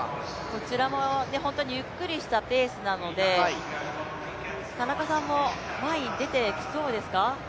こちらもゆっくりしたペースなので田中さんも前に出てきそうですか。